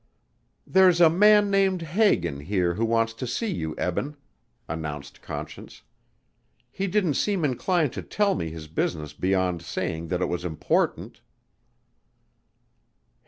"There's a man named Hagan here who wants to see you, Eben," announced Conscience. "He didn't seem inclined to tell me his business beyond saying that it was important."